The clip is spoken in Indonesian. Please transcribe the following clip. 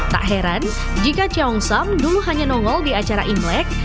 tak heran jika ceongsam dulu hanya nongol di acara imlek